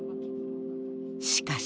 しかし